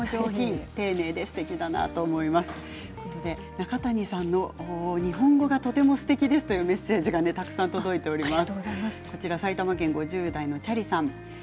中谷さんの日本語がとてもすてきですというメッセージがたくさん届いております。